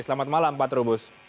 selamat malam pak trubus